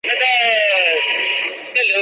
每年在法国的维苏举办。